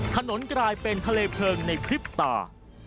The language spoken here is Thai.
ถนนกลายเป็นทะเลเพลิงในพริบตา